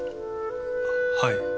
はい。